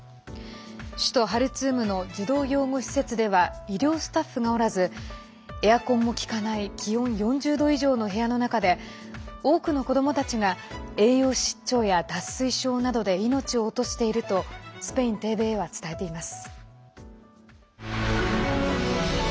首都ハルツームの児童養護施設では医療スタッフがおらずエアコンも効かない気温４０度以上の部屋の中で多くの子どもたちが栄養失調や脱水症などで命を落としているとスペインＴＶＥは伝えています。